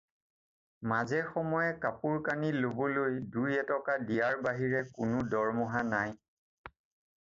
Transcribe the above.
মাজে-সময়ে কাপোৰ-কানি ল'বলৈ দুই-এটকা দিয়াৰ বাহিৰে কোনো দৰমহা দিয়া নাই।